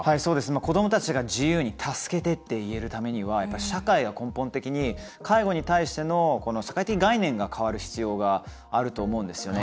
子どもたちが自由に助けてって言えるためには社会が根本的に、介護に対しての社会的概念が変わる必要があると思うんですよね。